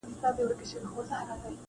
وایم ګوندي چي پناه سم -